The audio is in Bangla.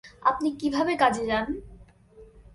আপনি কিভাবে কাজে যান?